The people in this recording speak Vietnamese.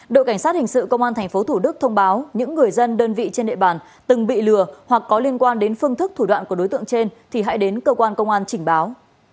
đội cảnh sát hình sự công an tp thủ đức thông báo những người dân đơn vị trên địa bàn từng bị lừa hoặc có liên quan đến phương thức thủ đoạn của đối tượng trên thì hãy đến cơ quan công an trình báo